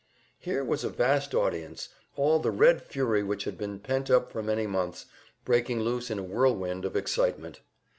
Here was a vast audience all the Red fury which had been pent up for many months, breaking loose in a whirlwind of excitement.